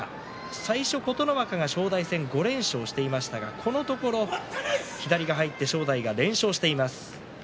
最初、琴ノ若が正代戦５連勝していましたがこのところ左が入って正代は連勝しています。